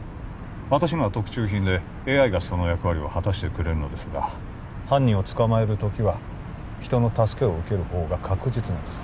私のは特注品でＡＩがその役割を果たしてくれるのですが犯人を捕まえる時は人の助けを受ける方が確実なんです